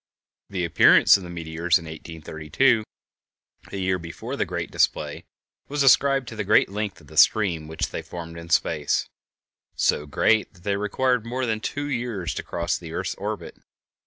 The appearance of the meteors in 1832, a year before the great display, was ascribed to the great length of the stream which they formed in space—so great that they required more than two years to cross the earth's orbit.